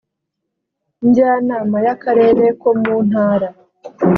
njyanama y akarere ko mu ntara